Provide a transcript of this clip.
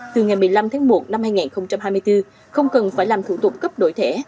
từ ngày một mươi năm tháng một năm hai nghìn hai mươi bốn không cần phải làm thủ tục cấp đổi thẻ